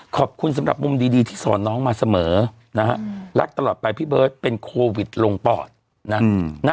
ขอบคุณสำหรับมุมดีที่สอนน้องมาเสมอนะฮะรักตลอดไปพี่เบิร์ตเป็นโควิดลงปอดนะ